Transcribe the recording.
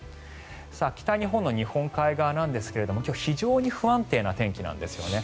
北日本の日本海側なんですが今日、非常に不安定な天気なんですよね。